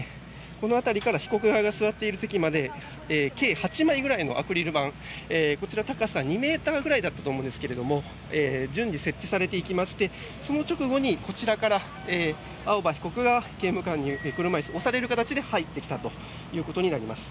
この辺りから被告が座っている席まで計８枚ぐらいのアクリル板こちら高さ２ｍぐらいだったと思いますが順次、設置されていきましてその直後にこちらから青葉被告が刑務官に車椅子を押される形で入ってきたということになります。